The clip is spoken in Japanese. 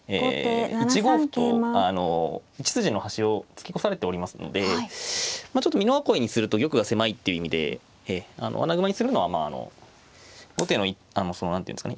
１五歩とあの１筋の端を突き越されておりますのでちょっと美濃囲いにすると玉が狭いっていう意味で穴熊にするのはまああの後手のその何ていうんですかね